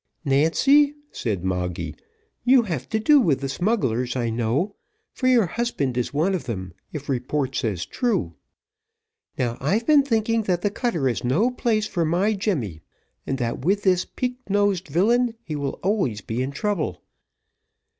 "Nancy," said Moggy, "you have to do with the smugglers, I know, for your husband is one of them, if report says true. Now, I've been thinking, that the cutter is no place for my Jemmy, and that with this peak nosed villain, he will always be in trouble.